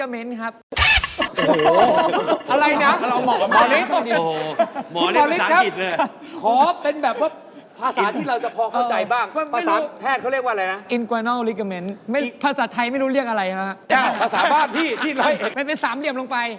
มันเป็นสามเหลี่ยมลงไป